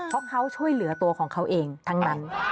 เพราะเขาช่วยเหลือตัวของเขาเองทั้งนั้น